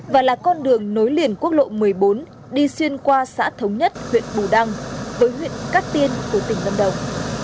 và là con đường nối liền quốc lộ một mươi bốn đi xuyên qua xã thống nhất huyện bù đăng với huyện cát tiên của tỉnh lâm đồng